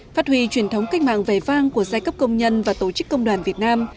phát huy truyền thống cách mạng vẻ vang của giai cấp công nhân và tổ chức công đoàn việt nam